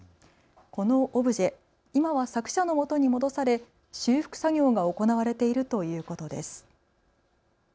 このオブジェ今は作者の元に戻され修復作業が行われているということです。